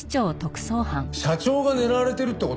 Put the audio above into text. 社長が狙われてるって事？